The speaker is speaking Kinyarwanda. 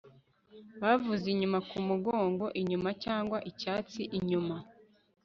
Bavuze Inyuma Ku Mugongo inyuma cyangwa Icyatsi inyuma